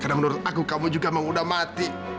karena menurut aku kamu juga muda mati